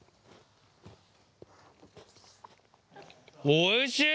おいしい！